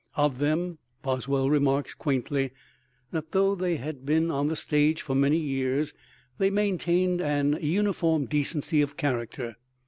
Of them Boswell remarks quaintly that though they had been on the stage for many years, they "maintained an uniform decency of character."